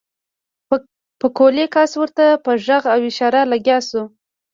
پکولي کس ورته په غږ او اشارو لګيا شو.